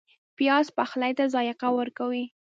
پیاز پخلی ته ذایقه ورکوي